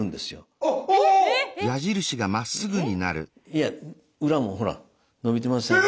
いや裏もほら伸びてますね。